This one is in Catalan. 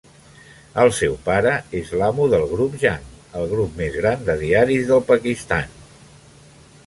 El seu pare és l'amo del grup Jang, el grup més gran de diaris del Pakistan.